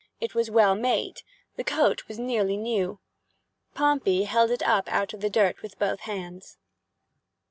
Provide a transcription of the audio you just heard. It was well made. The coat was nearly new. Pompey held it up out of the dirt with both hands.